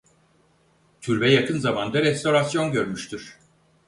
Türbe yakın zamanda restorasyon görmüştür.